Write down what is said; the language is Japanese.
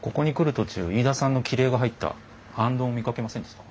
途中飯田さんの切り絵が入った行灯を見かけませんでした？